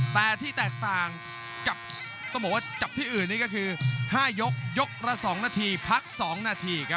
แต่ที่แตกต่างกับต้องบอกว่าจับที่อื่นนี่ก็คือ๕ยกยกละ๒นาทีพัก๒นาทีครับ